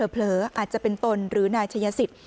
เผลออาจจะเป็นตนหรือนายชัยสิทธิ